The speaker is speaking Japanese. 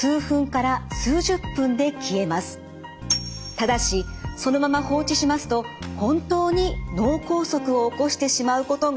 ただしそのまま放置しますと本当に脳梗塞を起こしてしまうことがあるんです。